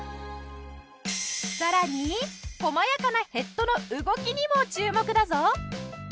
さらに細やかなヘッドの動きにも注目だぞ。